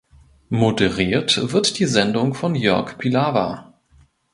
Moderiert wird die Sendung von Jörg Pilawa.